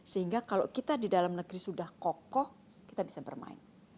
sehingga kalau kita di dalam negeri sudah kokoh kita bisa bermain